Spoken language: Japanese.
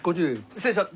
失礼します。